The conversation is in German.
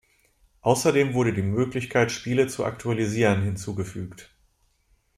Außerdem wurde die Möglichkeit Spiele zu aktualisieren hinzugefügt.